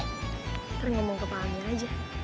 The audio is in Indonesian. ntar ngomong ke pak anggir aja